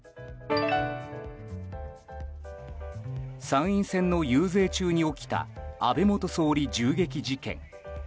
参院選の遊説中に起きた安倍元総理銃撃事件。